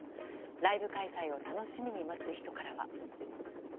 ライブ開催を楽しみに待つ人からは。